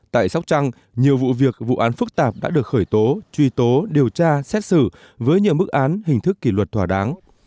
tại sóc trăng nhiều vụ việc vụ án phức tạp đã được khởi tố truy tố điều tra xét xử với nhiều mức án hình thức kỷ luật thỏa đáng